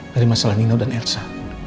dari masalah mino dan elsa